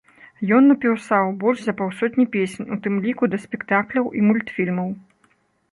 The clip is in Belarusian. Ён напісаў больш за паўсотні песень, у тым ліку да спектакляў і мультфільмаў.